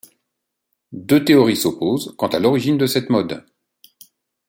Deux théories s’opposent quant à l’origine de cette mode.